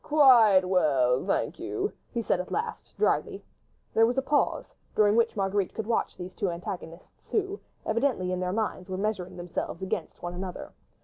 "Quite well, thank you," he said at last, drily. There was a pause, during which Marguerite could watch these two antagonists who, evidently in their minds, were measuring themselves against one another.